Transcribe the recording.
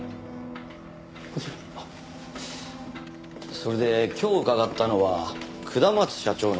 それで今日伺ったのは下松社長の件です。